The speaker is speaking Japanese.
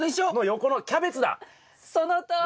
横のそのとおり。